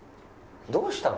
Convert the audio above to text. どうしたの？